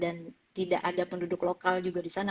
dan tidak ada penduduk lokal juga di sana